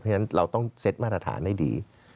เพราะฉะนั้นเราต้องเซ็ตมาตรฐานให้ดี